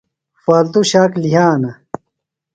فالتُو شاک لِھیانہ۔